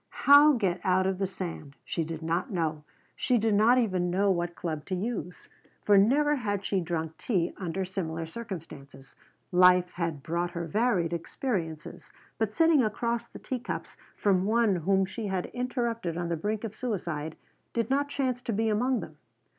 How get out of the sand? She did not know. She did not even know what club to use. For never had she drunk tea under similar circumstances. Life had brought her varied experiences, but sitting across the teacups from one whom she had interrupted on the brink of suicide did not chance to be among them.